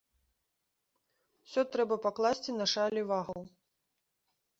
Усё трэба пакласці на шалі вагаў.